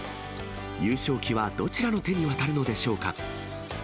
優勝旗はどちらの手に渡るのでしょうか。